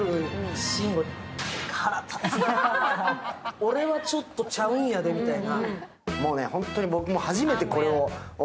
俺はちょっとちゃうんやでみたいな。